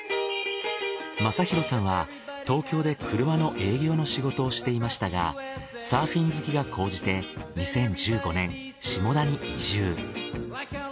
雅浩さんは東京で車の営業の仕事をしていましたがサーフィン好きが高じて２０１５年下田に移住。